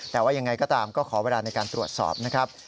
แต่ว่ายังไงก็ตามก็ขอเวลาในการตรวจสอบนะครับ